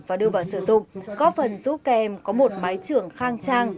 và đưa vào sử dụng có phần giúp các em có một mái trường khang trang